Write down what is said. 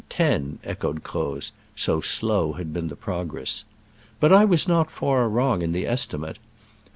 «," echoed Croz, so slow had been the progress. But I was not far wrong in the estimate. At 3.